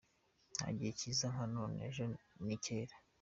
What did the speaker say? Nta gihe cyiza nka none, ejo ni kera.